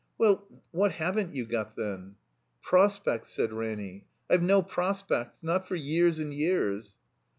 "Well, what haven't you got, then?" "Prospects," said Ranny. "I've no prospects. Not for years and years."